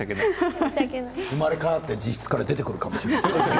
生まれ変わって自室から出てくるかもしれませんよ。